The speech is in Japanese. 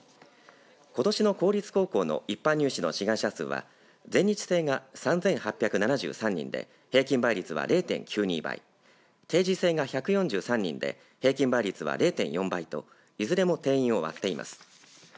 ことしの公立高校の一般入試の志願者数は全日制が３８７３人で平均倍率は０．９２倍定時制が１４３人で平均倍率は０．４倍といずれも定員を割っています。